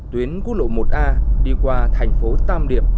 tuyến quốc lộ một a đi qua thành phố tam điệp